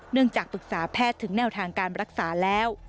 เนื่องจากปรึกษาแพทย์ถึงแนวทางการรักษาแล้ว